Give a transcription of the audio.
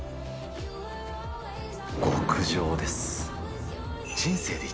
極上です。